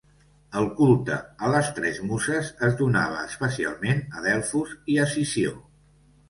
El culte a les tres muses es donava especialment a Delfos i a Sició.